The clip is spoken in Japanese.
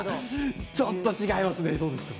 ちょっと違います。